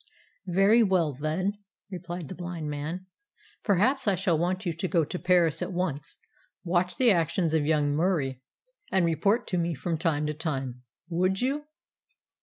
"Very well, then," replied the blind man. "Perhaps I shall want you to go to Paris at once, watch the actions of young Murie, and report to me from time to time. Would you?"